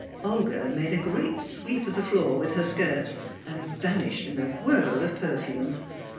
Olga made a great sweep of the floor with her skirts, and vanished in a whirl of perfume.